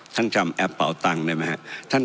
จำแอปเป่าตังค์ได้ไหมครับ